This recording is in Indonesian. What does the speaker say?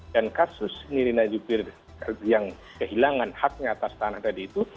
dan kasus nirina jupir yang kehilangan haknya atas tanah tadi itu